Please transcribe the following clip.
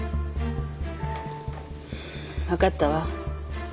わかったわ。